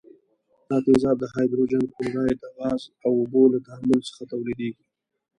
دا تیزاب د هایدروجن کلوراید د غاز او اوبو له تعامل څخه تولیدیږي.